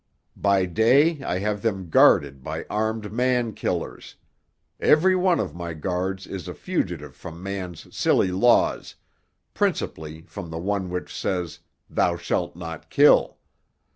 By day I have them guarded by armed man killers—every one of my guards is a fugitive from man's silly laws, principally from the one which says, 'Thou shalt not kill.